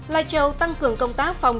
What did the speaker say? lai châu tăng cường công tác phòng